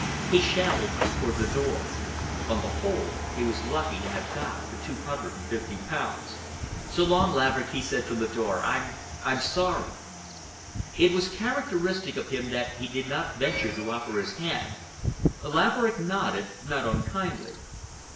He shambled toward the door. On the whole, he was lucky to have got the two hundred and fifty pounds. "So long, Laverick," he said from the door. "I'm—I'm sorry." It was characteristic of him that he did not venture to offer his hand. Laverick nodded, not unkindly.